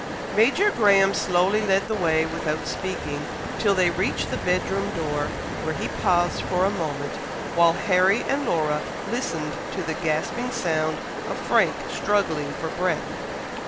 Major Graham slowly led the way without speaking, till they reach the bed room door, where he paused for a moment, while Harry and Laura listened to the gasping sound of Frank struggling for breath.